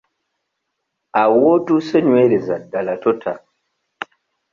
Awo w'otuuse nywereza ddala tota.